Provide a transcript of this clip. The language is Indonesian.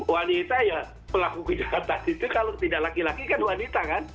wanita ya pelaku kejahatan itu kalau tidak laki laki kan wanita kan